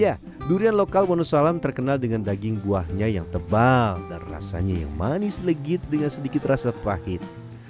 ya durian lokal wonosalam terkenal dengan daging buahnya yang tebal dan rasanya yang manis legit dengan sedikit rasa pahit